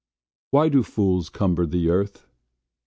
Why do fools cumber the Earth!